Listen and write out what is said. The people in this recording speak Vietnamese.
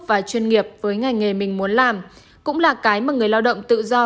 và chuyên nghiệp với ngành nghề mình muốn làm cũng là cái mà người lao động tự do